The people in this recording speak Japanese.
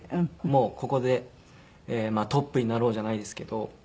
もうここでトップになろうじゃないですけど。